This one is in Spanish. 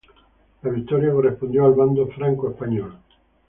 La victoria correspondió al bando franco-español.